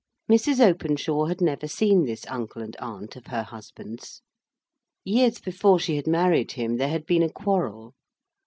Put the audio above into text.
Mrs. Openshaw had never seen this uncle and aunt of her husband's. Years before she had married him, there had been a quarrel.